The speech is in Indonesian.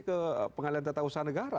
ke pengadilan tata usaha negara